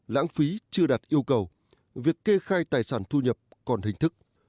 lãng phí chưa đạt yêu cầu việc kê khai tài sản thu nhập còn hình thức